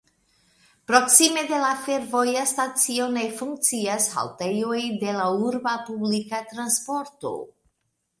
Proksime de la fervoja stacio ne funkcias haltejoj de la urba publika transporto.